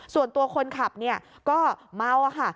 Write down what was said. ส่วนตัวคนขับก็เมาค่ะ